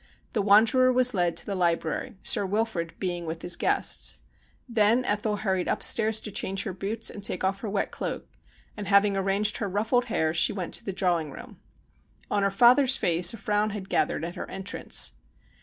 The wanderer was led to the library, Sir Wilfrid being with his guests. Then Ethel hurried upstairs to change her boots and take off her wet cloak, and having arranged her ruffled hair she went to the drawing room. On her father's face a frown had gathered at her en trance.